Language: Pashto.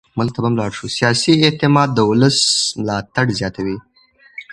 سیاسي اعتماد د ولس ملاتړ زیاتوي